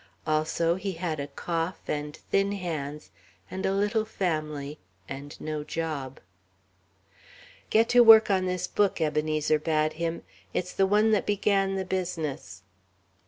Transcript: Also, he had a cough and thin hands and a little family and no job. "Get to work on this book," Ebenezer bade him; "it's the one that began the business."